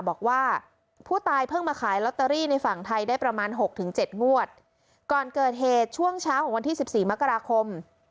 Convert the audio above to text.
บอกว่าผู้ตายเพิ่งมาขายลอตเตอรี่ในฝั่งไทยได้ประมาณหกถึงเจ็ดงวดก่อนเกิดเหตุช่วงเช้าของวันที่สิบสี่มกราคม